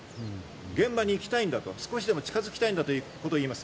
現場に行きたいんだ、少しても近づきたいんだということを言います。